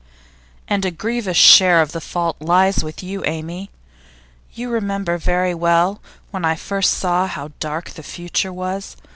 'And a grievous share of the fault lies with you, Amy. You remember very well when I first saw how dark the future was.